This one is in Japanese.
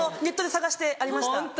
ネットで探してありました。